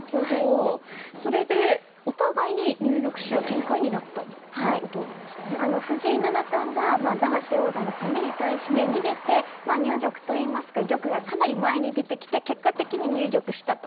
それで、お互いに入玉し合う展開になった藤井七冠が永瀬王座の攻めに対して逃げて、入玉といいますか玉がかなり前に出てきて結果的に入玉したと。